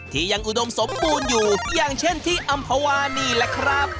ที่ยังอุดมสมบูรณ์อยู่อย่างเช่นที่อำภาวานี่แหละครับ